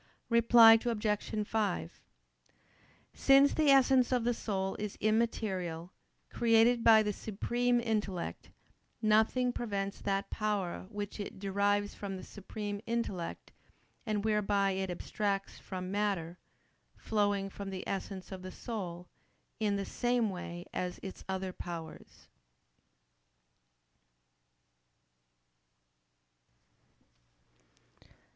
Reply Obj. 5: Since the essence of the soul is immaterial, created by the supreme intellect, nothing prevents that power which it derives from the supreme intellect, and whereby it abstracts from matter, flowing from the essence of the soul, in the same way as its other powers.